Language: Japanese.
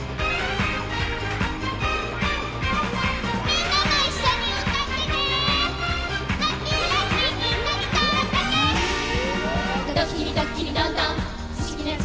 みんなも一緒に歌ってね。